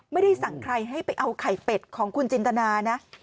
ไม่ได้สั่งใครให้ไปเอาไข่เป็ดของคุณจินตนานะ